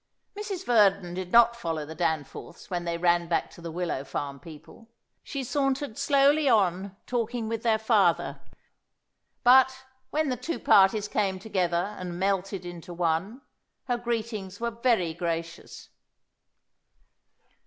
Mrs. Verdon did not follow the Danforths when they ran back to the Willow Farm people. She sauntered slowly on talking with their father; but, when the two parties came together and melted into one, her greetings were very gracious.